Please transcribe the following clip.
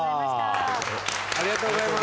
ありがとうございます。